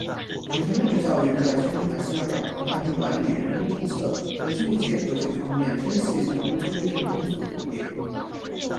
请从认知教育、对外宣传、思想管控、安全管理、人事政策和军地结合几个方面分析一下韩国军队政治工作的特点。